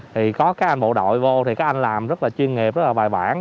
thì có các anh bộ đội vô thì các anh làm rất là chuyên nghiệp rất là bài bản